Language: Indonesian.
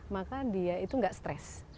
maka dia itu nggak stres